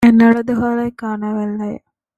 என் எழுதுகோலைக் காணவில்லை.